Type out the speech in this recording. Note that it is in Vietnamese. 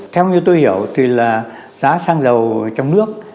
theo như tôi hiểu thì là giá xăng dầu trong nước